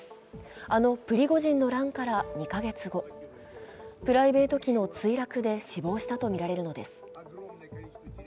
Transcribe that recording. あのプリゴジンの乱から２か月後、プライベート機の墜落で死亡したとみられるのです。